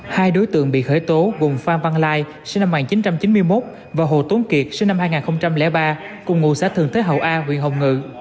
hai đối tượng bị khởi tố gồm phan văn lai sinh năm một nghìn chín trăm chín mươi một và hồ tống kiệt sinh năm hai nghìn ba cùng ngụ xã thường thế hậu a huyện hồng ngự